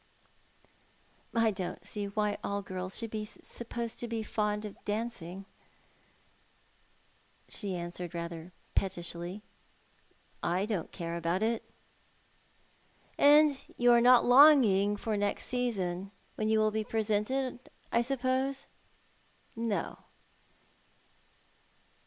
*' I don't see why all girls should be supposed to be fond of dancing," she answered rather pettishly. " I don't care about it." " And you are not longing for next season, when you will be presented, I suppose ?" "No."